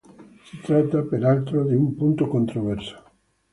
Si tratta, peraltro, di un punto controverso.